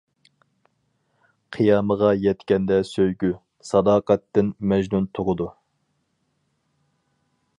قىيامىغا يەتكەندە سۆيگۈ، ساداقەتتىن مەجنۇن تۇغىدۇ.